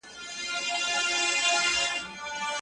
اسلام د بې وزلو ملاتړ کوي.